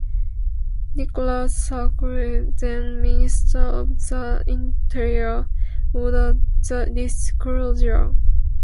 Nicolas Sarkozy, then Minister of the Interior, ordered its closure.